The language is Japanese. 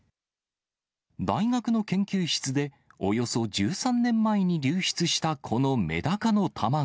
大学の研究室でおよそ１３年前に流出したこのメダカの卵。